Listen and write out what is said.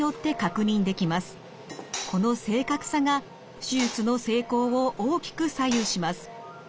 この正確さが手術の成功を大きく左右します。